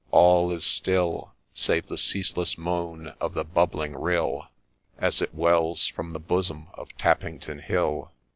all is still, Save the ceaseless moan of the bubbling rill As it wells from the bosom of Tappington Hill.